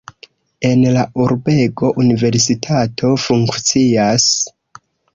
En la urbego universitato funkcias.